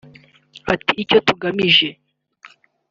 Ati “Icyo tugamije